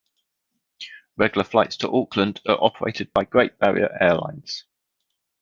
Regular flights to Auckland are operated by Great Barrier Airlines.